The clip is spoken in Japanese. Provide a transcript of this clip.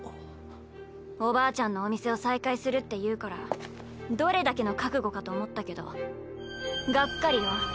おばあちゃんのお店を再開するっていうからどれだけの覚悟かと思ったけどがっかりよ。